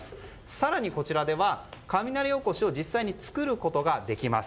更に、こちらでは雷おこしを実際に作ることができます。